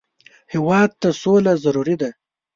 هېواد ته سوله ضروري ده